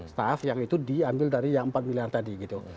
staff yang itu diambil dari yang empat miliar tadi gitu